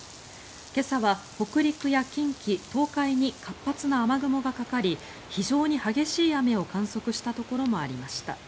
今朝は北陸や近畿、東海に活発な雨雲がかかり非常に激しい雨を観測したところもありました。